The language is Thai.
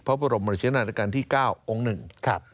พระบรมบริเฉยนาฬิการที่๙องค์๑